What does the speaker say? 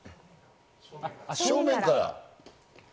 正面から？